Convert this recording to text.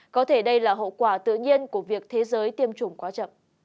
có thể đây là hậu quả tự nhiên của việc thế giới tiêm chủng quá chậm